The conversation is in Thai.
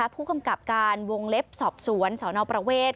ผู้กำกับการวงเล็บสอบสวนสนประเวท